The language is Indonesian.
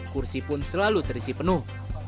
kursi pun selalu terisi penuh